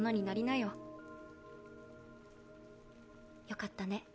よかったね